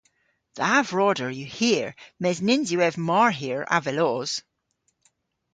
Dha vroder yw hir mes nyns yw ev mar hir avelos.